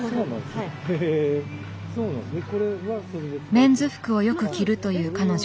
メンズ服をよく着るという彼女。